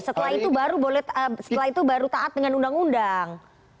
setelah itu baru taat dengan undang undang